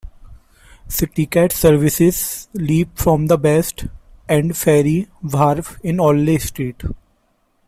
CityCat services leave from the West End ferry wharf in Orleigh Street.